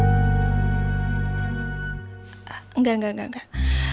enggak enggak enggak enggak